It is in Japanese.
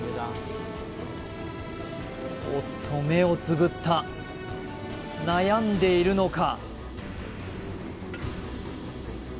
おっと目をつぶった悩んでいるのか？